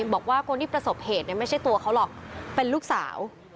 บอกว่าคนที่ประสบเหตุไม่ใช่ตัวเขาหรอกเป็นลูกสาว